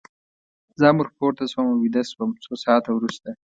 زه هم ور پورته شوم او ویده شوم، څو ساعته وروسته.